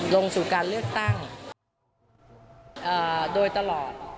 ลงสู่การเลือกตั้งโดยตลอด